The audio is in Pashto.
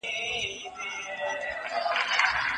نه منمه ستا بیان ګوره چي لا څه کیږي